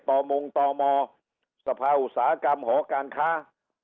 ต่อมุงต่อมอสภาวสาหกรรมหอการค้า